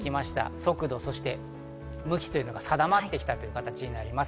速度、向きというのが定まってきたという形になります。